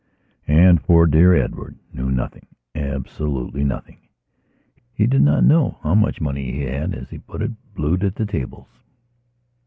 And poor dear Edward knew nothingabsolutely nothing. He did not know how much money he had, as he put it, "blued" at the tables.